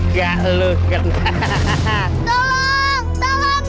hehehe penat juga lu